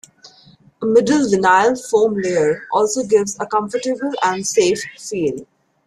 A middle vinyl foam layer also gives a comfortable and safe feel.